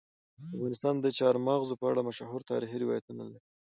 افغانستان د چار مغز په اړه مشهور تاریخي روایتونه لري.